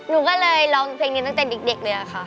หนูก็เลยร้องเพลงนี้ตั้งแต่เด็กเลยค่ะ